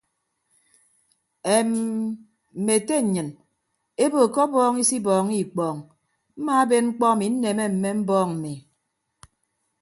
Eem mme ete nnyịn ebo ke ọbọọñ isibọọñọ ikpọọñ mmaaben mkpọ emi nneme mme mbọọñ mmi.